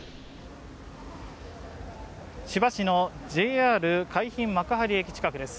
千葉市のＪＲ海浜幕張駅近くです。